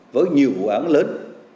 với nhiều vụ án lớn